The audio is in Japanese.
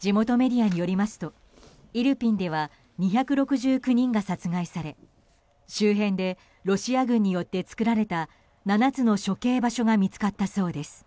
地元メディアによりますとイルピンでは２６９人が殺害され周辺でロシア軍によって作られた７つの処刑場所が見つかったそうです。